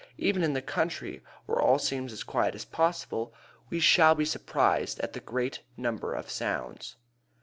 Even in the country, where all seems as quiet as possible, we shall be surprised at the great number of sounds.